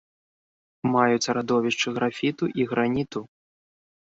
Маюцца радовішчы графіту і граніту.